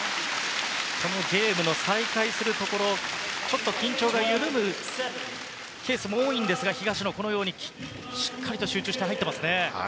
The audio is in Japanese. このゲームの再開するところでちょっと緊張が緩むケースも多いんですが、東野はしっかりと集中して入っています。